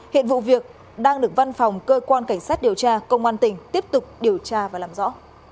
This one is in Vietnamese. hiện vụ việc đang được văn phòng cơ quan cảnh sát điều tra công an tỉnh tiếp tục điều tra và làm rõ